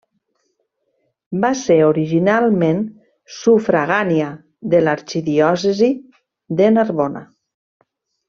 Va ser originalment sufragània de l'arxidiòcesi de Narbona.